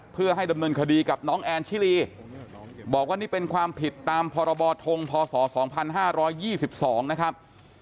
เพื่อให้ดำเนินคดีกับน้องแอนชิลีบอกว่านี่เป็นความผิดตามพรบทงพศ๒๕๒๒นะครับ